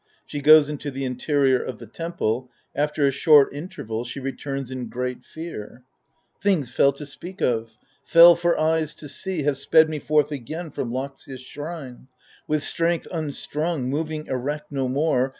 [Ske goes into the interior of the temple ; after a short interval, she returns in great fear. Things fell to speak of, fell for eyes to see. Have sped me forth again from Loxias' shrine, With strength unstrung, moving erect no more.